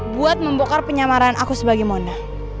buat membokar penyamaran aku sebagai monda